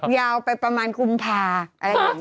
ยาวไปประมาณกุมภาคม